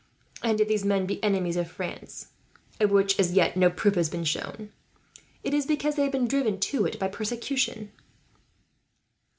And if these men be enemies of France, of which as yet no proof has been shown, it is because they have been driven to it, by persecution."